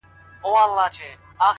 په خپل نوبت کي هر یوه خپلي تیارې راوړي،